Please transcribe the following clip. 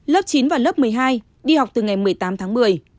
lớp chín và lớp một mươi hai đi học từ ngày một mươi tám tháng một mươi